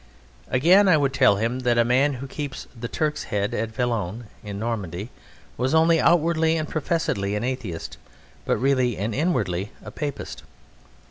Again, I would tell him that the man who keeps the "Turk's Head" at Valogne, in Normandy, was only outwardly and professedly an Atheist, but really and inwardly a Papist.